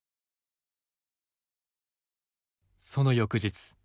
その翌日。